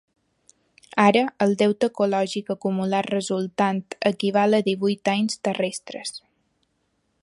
Ara, el deute ecològic acumulat resultant equival a divuit anys terrestres.